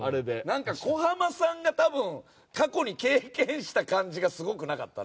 なんか小浜さんが多分過去に経験した感じがすごくなかった？